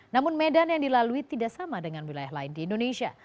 namun medan yang dilalui tidak sama dengan wilayah lain di indonesia